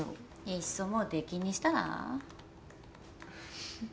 いっそもう出禁にしたら？